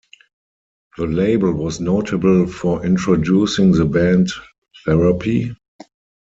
The label was notable for introducing the band Therapy?